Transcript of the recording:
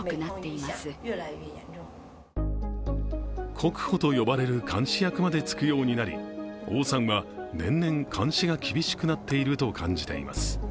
国保と呼ばれる監視役までつくようになり、王さんは年々、監視が厳しくなっていると感じています。